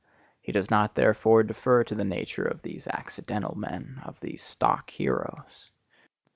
He does not therefore defer to the nature of these accidental men, of these stock heroes.